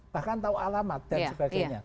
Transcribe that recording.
bahkan tahu alamat dan sebagainya